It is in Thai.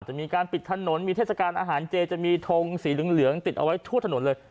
จะมีการปิดถนนมีเทศกาลอาหารเจจะมีทงสีเหลืองติดเอาไว้ทั่วถนนเลย